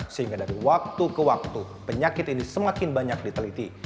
sehingga dari waktu ke waktu penyakit ini semakin banyak diteliti